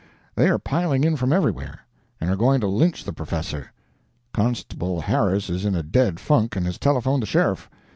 They are piling in from everywhere, and are going to lynch the P'fessor. Constable Harris is in a dead funk, and has telephoned the sheriff.